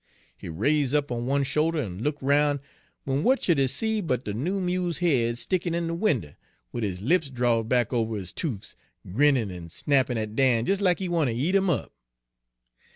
He raise' up on one shoulder en look' roun', w'en w'at should he see but de noo mule's head stickin' in de winder, wid his lips drawed back over his toofs, grinnin' en snappin' at Dan des' lack he wanter eat 'im up.